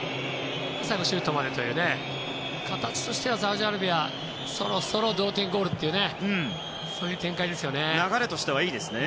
最後シュートまでという形としてはサウジアラビアそろそろ同点ゴールというそういう展開ですね。